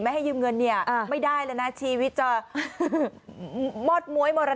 ไม่ได้เลยนะชีวิตจะมอดม้วยมรณา